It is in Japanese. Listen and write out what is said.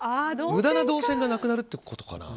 無駄な動線がなくなるということかな。